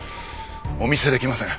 お見せできません。